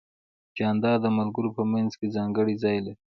جانداد د ملګرو په منځ کې ځانګړی ځای لري.